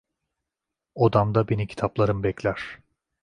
Odamda beni kitaplarım bekler.